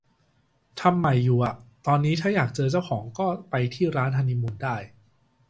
ทำใหม่อยู่อะ ตอนนี้ถ้าอยากเจอเจ้าของก็ไปที่ร้านฮันนีมูนได้